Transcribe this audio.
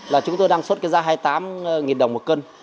là chúng tôi đang xuất cái giá hai mươi tám đồng một cân